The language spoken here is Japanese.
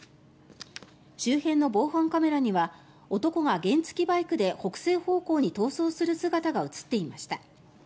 周辺の防犯カメラには男が原付きバイクで北西方向に逃走する姿が映っていました。